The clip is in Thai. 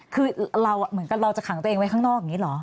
คือเราเหมือนกับเราจะขังตัวเองไว้ข้างนอกอย่างนี้เหรอ